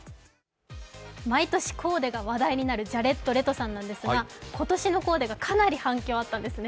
毎年コーデが話題になるジャレッド・レトさんなんですが今年のコーデがかなり反響があったんですね。